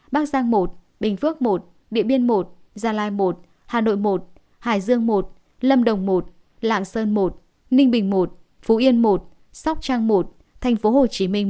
bắc giang một bình phước một địa biên một gia lai một hà nội một hải dương một lâm đồng một lạng sơn một ninh bình một phú yên một sóc trang một tp hcm một